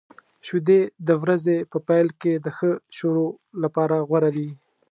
شیدې د ورځې په پیل کې د ښه شروع لپاره غوره دي.